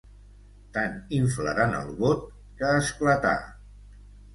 Tant inflaren el bot, que esclatà.